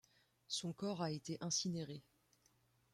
Son corps a été incinéré.